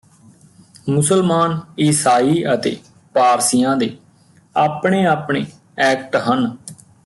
ਮੁਸਲਮਾਨ ਈਸਾਈ ਅਤੇ ਪਾਰਸੀਆਂ ਦੇ ਆਪਣੇ ਆਪਣੇ ਐਕਟ ਹਨ